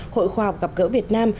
hội khoa học gặp gỡ việt nam